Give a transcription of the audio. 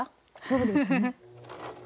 そうですね。